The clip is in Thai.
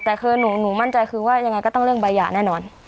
แต่คือหนูมั่นใจคือว่ายังไงก็ต้องเรื่องใบหย่าแน่นอน